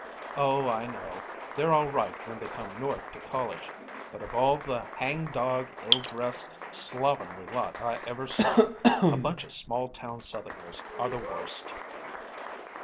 "Oh, I know. They're all right when they come North to college, but of all the hangdog, ill dressed, slovenly lot I ever saw, a bunch of small town Southerners are the worst!"